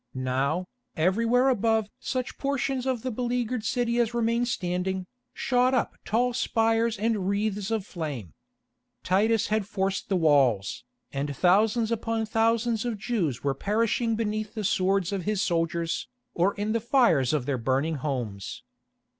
Now, everywhere above such portions of the beleaguered city as remained standing, shot up tall spires and wreaths of flame. Titus had forced the walls, and thousands upon thousands of Jews were perishing beneath the swords of his soldiers, or in the fires of their burning homes.